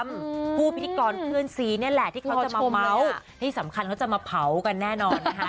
ผู้พิธีกรเพื่อนซีนี่แหละที่เขาจะมาเม้าที่สำคัญเขาจะมาเผากันแน่นอนนะคะ